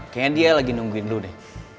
kayaknya dia lagi nungguin dulu deh